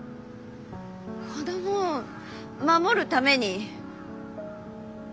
子供を守るために。